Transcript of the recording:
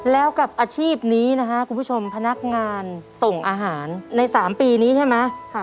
แล้วกับอาชีพนี้นะฮะคุณผู้ชมพนักงานส่งอาหารใน๓ปีนี้ใช่ไหม